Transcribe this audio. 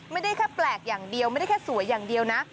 ไม่ได้แค่แปลกอย่างเดียวไม่ได้แค่สวยอย่างเดียวนะ